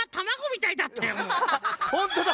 ほんとだ！